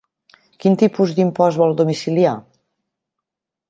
Quin tipus d'impost vol domiciliar?